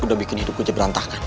kau sudah membuat hidupku berantakan